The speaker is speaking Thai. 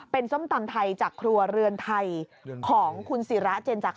เป็นส้มตำไทยจากครัวเรือนไทยของคุณศิระเจนจักร